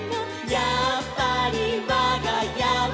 「やっぱりわがやは」